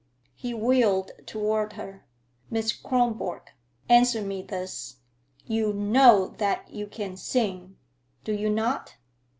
He wheeled toward her. "Miss Kronborg, answer me this. You know that you can sing, do you not?